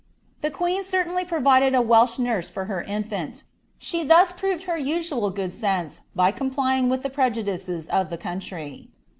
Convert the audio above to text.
The queen certainly provided a Welsh nurse for her infant :' she thus proved her usual good sense, by complying with the prejudices of the country.